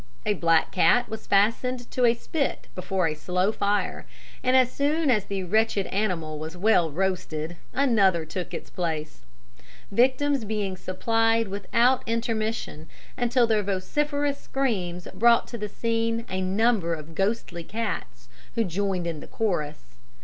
A black cat was fastened to a spit before a slow fire, and as soon as the wretched animal was well roasted, another took its place; victims being supplied without intermission, until their vociferous screams brought to the scene a number of ghostly cats who joined in the chorus.